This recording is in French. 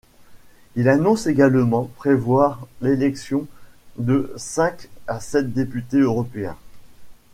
Ils annoncent également prévoir l'élection de cinq à sept députés européens.